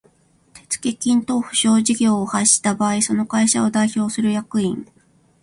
手付金等保証事業を廃止した場合その会社を代表する役員